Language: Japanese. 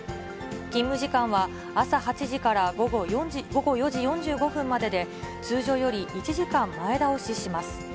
勤務時間は朝８時から午後４時４５分までで、通常より１時間前倒しします。